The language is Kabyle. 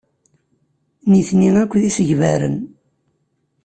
Nitni akk d isegbaren.